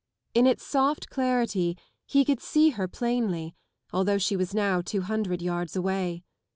In its soft clarity he could see her plainly, although she was now two hundred yards away.